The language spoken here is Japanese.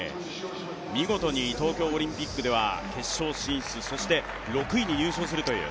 見事に東京オリンピックでは決勝進出そして６位に入賞するという。